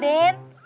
ya sekarang den